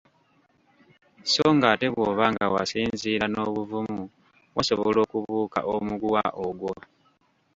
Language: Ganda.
So ng'ate bw'oba nga wasinziira n'obuvumu wasobola okubuuka omuguwa ogwo !